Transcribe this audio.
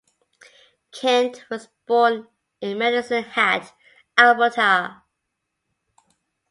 Kent was born in Medicine Hat, Alberta.